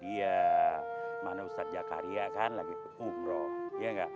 iya mana ustadz jakaria kan lagi umroh